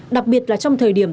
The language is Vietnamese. đặc biệt là trong thời điểm